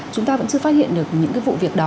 chúng ta vẫn chưa phát hiện được những cái vụ việc đó